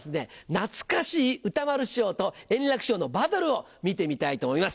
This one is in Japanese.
懐かしい歌丸師匠と円楽師匠のバトルを見てみたいと思います。